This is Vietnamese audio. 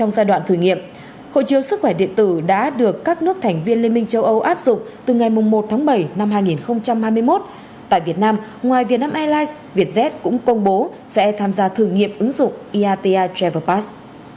hộ chiếu sức khỏe điện tử đã được các nước thành viên liên minh châu âu áp dụng iata travel pass